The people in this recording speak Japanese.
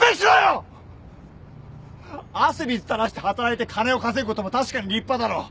汗水垂らして働いて金を稼ぐことも確かに立派だろう。